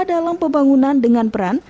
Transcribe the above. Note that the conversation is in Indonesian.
dalam pembangunan dengan peran